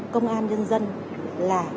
công an nhân dân là